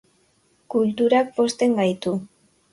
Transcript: Kulturak pozten gaitu.